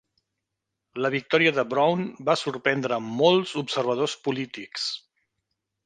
La victòria de Broun va sorprendre molts observadors polítics.